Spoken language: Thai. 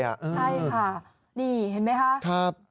ใช่ค่ะนี่เห็นไหมคะ